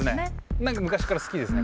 何か昔から好きですね